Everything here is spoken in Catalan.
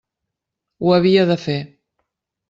Ho havia de fer.